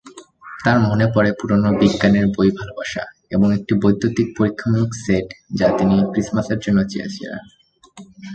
তার মনে পড়ে পুরনো বিজ্ঞানের বই ভালবাসা এবং একটি বৈদ্যুতিক পরীক্ষামূলক সেট যা তিনি ক্রিসমাসের জন্য চেয়েছিলেন।